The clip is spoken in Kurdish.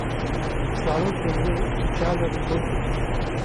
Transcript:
Zarokên wê carna digotin.